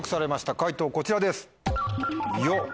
解答こちらです。よ。